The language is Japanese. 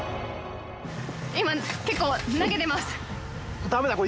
今結構投げてます